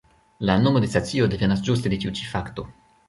La nomo de stacio devenas ĝuste de tiu ĉi fakto.